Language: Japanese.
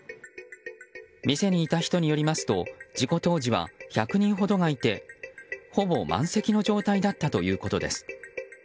店にいた人によりますと事故当時は１００人ほどがいてほぼ満席の状態だったということです。